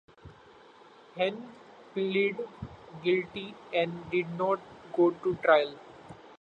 Hunn pled guilty and did not go to trial.